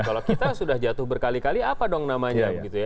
kalau kita sudah jatuh berkali kali apa dong namanya